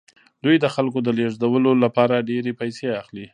دوی د خلکو د لیږدولو لپاره ډیرې پیسې اخلي